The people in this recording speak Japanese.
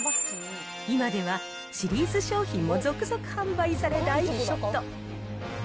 今ではシリーズ商品も続々販売され大ヒット。